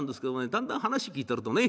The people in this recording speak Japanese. だんだん話聞いてるとね